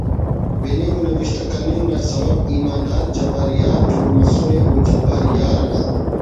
بننگ و نوشتہ کننگ نا سوب ایماندار جبار یار جوڑ مسنے او جبار یار نا